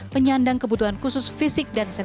penyandang kebutuhan khusus fisik dan sehat